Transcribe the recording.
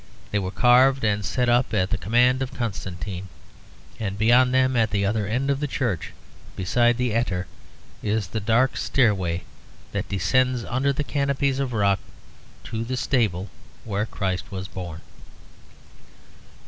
They were carved and set up at the command of Constantine; and beyond them, at the other end of the church beside the attar, is the dark stairway that descends under the canopies of rock to the stable where Christ was born.